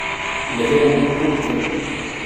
Il adhère au groupe Pour l'Italie.